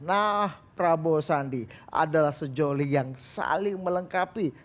nah prabowo sandi adalah sejoli yang saling melengkapi